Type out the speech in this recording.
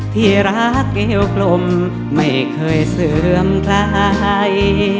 ที่รักเอวคลมไม่เคยเสื่อมคลาย